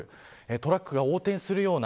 トラックが横転するような